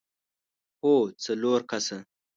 هو، څلور کسه!